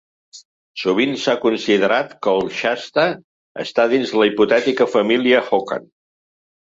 Sovint s'ha considerat que el shasta està dins la hipotètica família hocan.